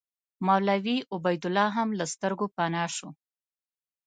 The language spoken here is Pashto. مولوي عبیدالله هم له سترګو پناه شو.